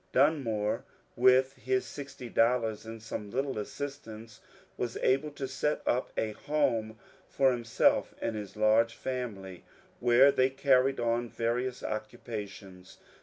Dunmore with his sixty dollars and some little assistance was able to set up a home for him self and his large family, where they carried on various occu pations.